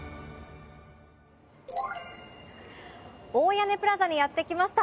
大屋根プラザにやって来ました。